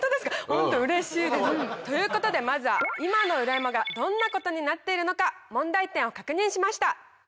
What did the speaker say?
ホントうれしいです。ということでまずは今の裏山がどんなことになっているのか問題点を確認しました。